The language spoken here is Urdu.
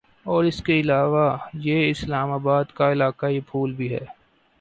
اور اس کے علاوہ یہ اسلام آباد کا علاقائی پھول بھی ہے